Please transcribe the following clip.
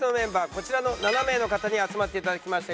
こちらの７名の方に集まって頂きました。